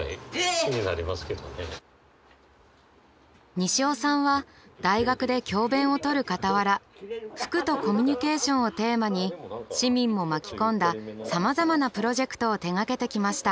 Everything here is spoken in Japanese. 西尾さんは大学で教鞭を執るかたわら服とコミュニケーションをテーマに市民も巻き込んださまざまなプロジェクトを手がけてきました。